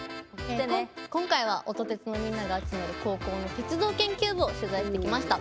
今回は音鉄のみんなが集まる高校の鉄道研究部を取材してきました。